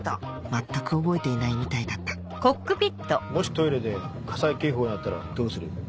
全く覚えていないみたいだったもしトイレで火災警報が鳴ったらどうする？